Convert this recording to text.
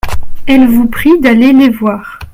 Elles vous prient d’aller les voir.